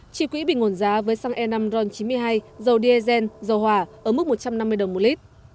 chi quỹ bình nguồn giá với xăng e năm ron chín mươi hai dầu diesel dầu hỏa ở mức một trăm năm mươi đồng một lít